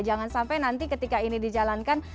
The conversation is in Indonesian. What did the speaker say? jangan sampai nanti ketika ini dijalankan